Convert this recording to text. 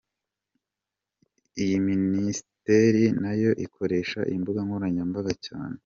Iyi Minisiteri na yo ikoresha imbuga nkoranyambaga cyane.